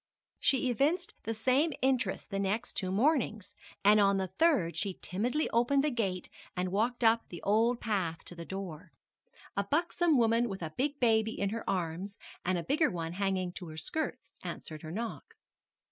She evinced the same interest the next two mornings, and on the third she timidly opened the gate and walked up the old path to the door. A buxom woman with a big baby in her arms, and a bigger one hanging to her skirts, answered her knock.